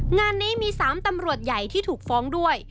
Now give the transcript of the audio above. งานนี้มี๓ตำรวจใหญ่ที่ถูกฟ้องด้วย